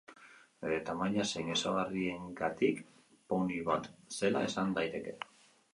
Bere tamaina zein ezaugarriengatik poni bat zela esan daiteke.